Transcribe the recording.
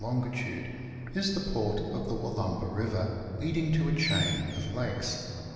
long., is the port of the AVollumba River, leading to a chain of lakes.